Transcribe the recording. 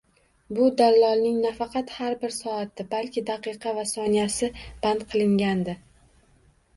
Bu dallolning nafaqat har bir soati, balki daqiqa va soniyasi band qilingandi